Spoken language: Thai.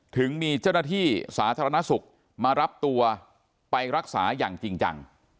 ถึงมีเจ้าหน้าที่สาธารณสุขมารับตัวไปรักษาอย่างจริงจัง